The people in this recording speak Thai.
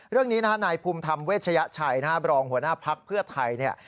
เรื่องนี้นะครับนายภูมิธรรมเวชยะชัยรองหัวหน้าภักดิ์เพื่อไทย